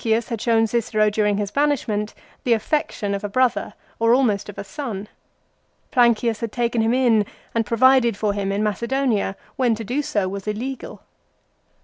Plancius had shown Cicero during his banishment the affection of a brother, or almost of a son. Plancius had taken him in and provided for him in Macedonia, when to do so was illegal.